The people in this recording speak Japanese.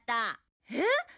えっ？